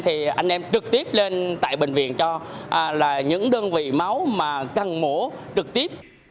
thì anh em trực tiếp lên tại bệnh viện cho là những đơn vị máu mà cần mổ trực tiếp